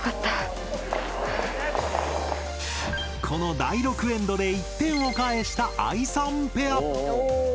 この第６エンドで１点を返したあいさんペア。